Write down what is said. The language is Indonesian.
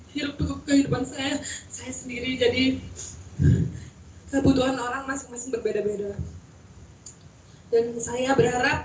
hidup kehidupan saya saya sendiri jadi kebutuhan orang masing masing berbeda beda dan saya berharap